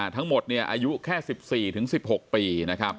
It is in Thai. ทั้งหมดอายุแค่สิบสี่ถึงสิบหกปี